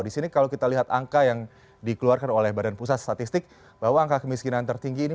di sini kalau kita lihat angka yang dikeluarkan oleh badan pusat statistik bahwa angka kemiskinan tertinggi ini